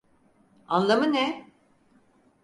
Anlamı ne?